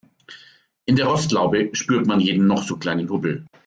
In der Rostlaube spürt man jeden noch so kleinen Hubbel.